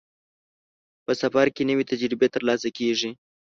په سفر کې نوې تجربې ترلاسه کېږي.